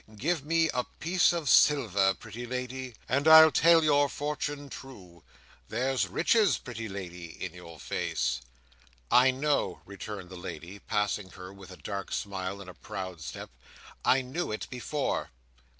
Give me a piece of silver, pretty lady, and I'll tell your fortune true. There's riches, pretty lady, in your face." "I know," returned the lady, passing her with a dark smile, and a proud step. "I knew it before.